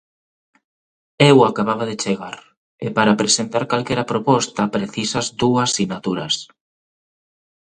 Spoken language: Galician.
Eu acababa de chegar, e para presentar calquera proposta precisas dúas sinaturas.